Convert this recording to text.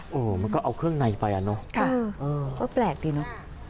โอ้โหมันก็เอาเครื่องในไปอ่ะเนอะค่ะเออเพราะแปลกดิเนอะ